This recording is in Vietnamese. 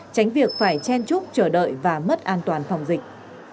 tránh việc phải chen chúc chờ đợi và mất an toàn phòng dịch